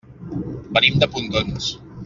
Venim de Pontons.